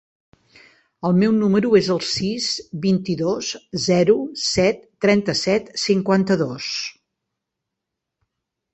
El meu número es el sis, vint-i-dos, zero, set, trenta-set, cinquanta-dos.